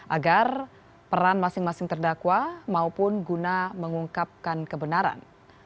agar peran masing masing terdakwa maupun guna mengungkapkan kebenaran